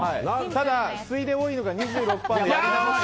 ただ、次いで多いのが２６％のやり直し。